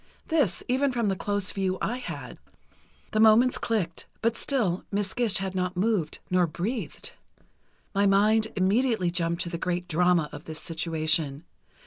This, even from the close view I had. The moments clicked but still Miss Gish had not moved, nor breathed. My mind immediately jumped to the great drama of this situation.